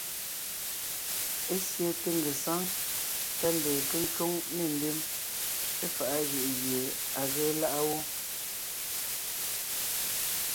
Ésiɛte ngesáŋ tá ndeen nke ńcwóŋ nê mbim éfaʼa jʉʼ gie à ge láʼa wó.